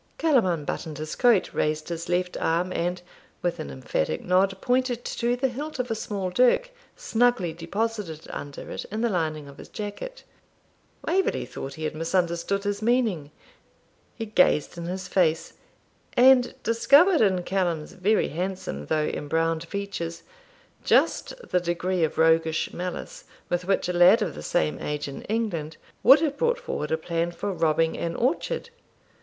Callum unbuttoned his coat, raised his left arm, and, with an emphatic nod, pointed to the hilt of a small dirk, snugly deposited under it, in the lining of his jacket. Waverley thought he had misunderstood his meaning; he gazed in his face, and discovered in Callum's very handsome though embrowned features just the degree of roguish malice with which a lad of the same age in England would have brought forward a plan for robbing an orchard.